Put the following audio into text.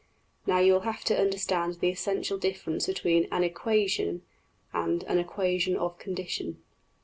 Now you will have to understand the essential difference between ``an equation,'' and ``an equation of condition.''